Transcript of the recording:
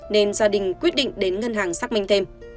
nên gia đình quyết định đến ngân hàng xác minh thêm